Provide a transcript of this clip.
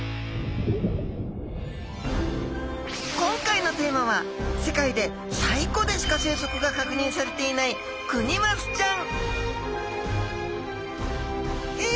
今回のテーマは世界で西湖でしか生息が確認されていないクニマスちゃん